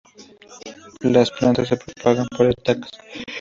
Las plantas se propagan por estacas.